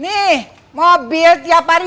nih mobil tiap hari